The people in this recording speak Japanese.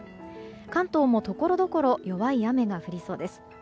関東もところどころ弱い雨が降りそうです。